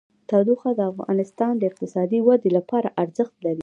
تودوخه د افغانستان د اقتصادي ودې لپاره ارزښت لري.